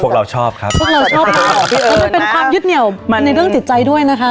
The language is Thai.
พวกเราชอบครับให้เป็นความยึดเหนี้ยวในเรื่องจิตใจด้วยนะคะ